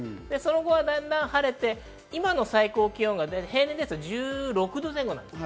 その後はだんだん晴れて今の最高気温が平年ですと１６度前後です。